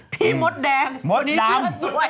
พี่หมดแดงที่ดีซื้อสวย